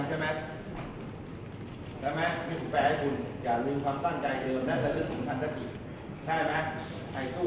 ใช่ไหมถามเดียวกันใช่ไหมใช่ไหมนี่คือแปลให้คุณ